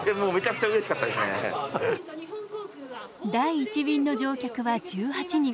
第１便の乗客は１８人。